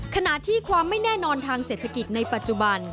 ขณะที่ความไม่แน่นอนทางเศรษฐกิจในปัจจุบัน